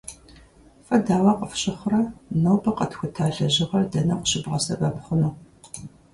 Фэ дауэ къыфщыхъурэ, нобэ къэтхута лэжьыгъэр дэнэ къыщыбгъэсэбэп хъуну?